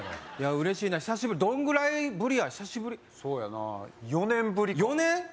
うれしいな久しぶりどんぐらいぶりやそうやな４年ぶりか４年？